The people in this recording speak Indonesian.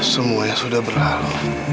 semuanya sudah berlalu